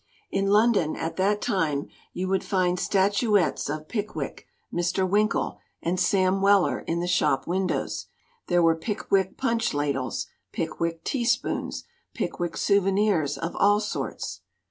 "In London at that time you would find statuettes of Pickwick, Mr. Winkle, and Sam Weller in the shop windows. There were Pick wick punch ladles, Pickwick teaspoons, Pickwick souvenirs of all sorts.